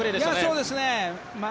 そうですね。